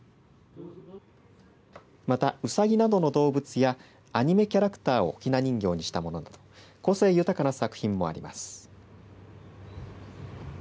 また、ウサギなどの動物やアニメキャラクターを雛人形にしたものなど個性豊かな作品もあります。